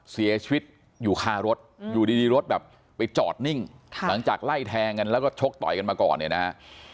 เสียชีวิตอยู่คารถอยู่ดีรถแบบไปจอดนิ่งหลังจากไล่แทงกันแล้วก็ชกต่อยกันมาก่อนเนี่ยนะฮะ